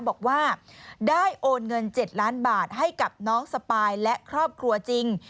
บอกว่าได้โอนเงิน๗ล้านบาทให้กับน้องสปายและครอบครัวจริง